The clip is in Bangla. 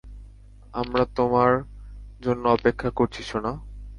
আমরা তোমার জন্য অপেক্ষা করছি সোনা।